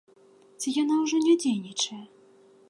Ці яна ўжо не дзейнічае?